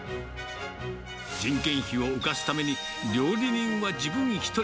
人件費を浮かすために、料理人は自分一人。